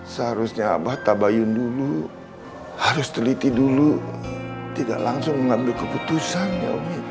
seharusnya abah tabayun dulu harus teliti dulu tidak langsung mengambil keputusan